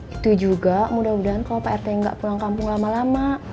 itu juga mudah mudahan kalau pak rt nya gak pulang kampung lama lama